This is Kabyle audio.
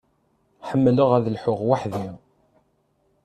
Ḥemmleɣ ad lḥuɣ weḥd-i.